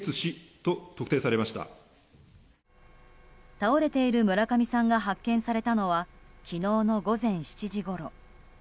倒れている村上さんが発見されたのは昨日の午前７時ごろ。